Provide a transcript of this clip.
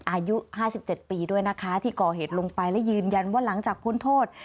อายุ๕๗ปีด้วยนะคะที่ก่อเหตุลงไปและยืนยันว่าหลังจากพ้นโทษ